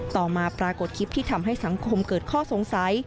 ต่อมาปรากฏคลิปที่ทำให้สังคมเกิดข้อสงสัย